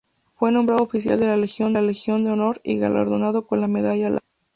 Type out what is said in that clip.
Fue nombrado oficial de la Legión de Honor y galardonado con la Medalla Leblanc.